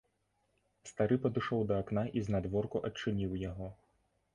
Стары падышоў да акна і знадворку адчыніў яго.